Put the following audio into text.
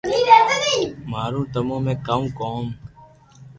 مارو تمو ۾ ڪاؤ ڪوم ھي